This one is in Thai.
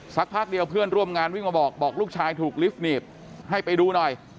พักเดียวเพื่อนร่วมงานวิ่งมาบอกบอกลูกชายถูกลิฟต์หนีบให้ไปดูหน่อย